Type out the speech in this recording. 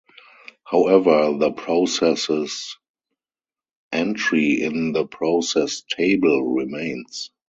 However, the process's entry in the process table remains.